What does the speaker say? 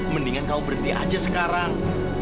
mendingan kau berhenti aja sekarang